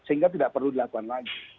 sehingga tidak perlu dilakukan lagi